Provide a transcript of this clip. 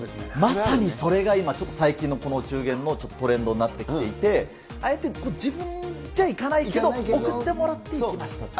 まさにそれが今、ちょっと最近のこのお中元のちょっとトレンドになってきていて、あえて自分じゃ行かないけど、贈ってもらって行きましたっていう。